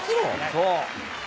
そう。